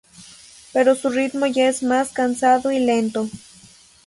Pero su ritmo ya es más cansado y lento.